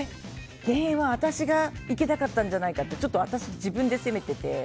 原因は私がいけなかったんじゃないかって自分で責めてて。